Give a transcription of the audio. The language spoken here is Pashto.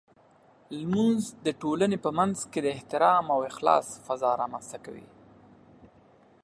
لمونځ د ټولنې په منځ کې د احترام او اخلاص فضاء رامنځته کوي.